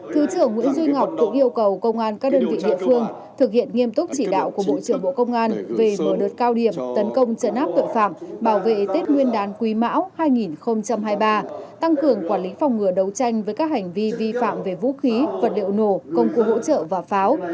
thứ trưởng nguyễn duy ngọc cũng yêu cầu công an các đơn vị địa phương thực hiện nghiêm túc chỉ đạo của bộ trưởng bộ công an về mở đợt cao điểm tấn công chấn áp tội phạm bảo vệ tết nguyên đán quý mão hai nghìn hai mươi ba tăng cường quản lý phòng ngừa đấu tranh với các hành vi vi phạm về vũ khí vật liệu nổ công cụ hỗ trợ và pháo